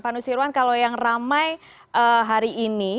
panu sirwan kalau yang ramai hari ini